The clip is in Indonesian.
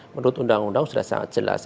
menurut undang undang sudah sangat jelas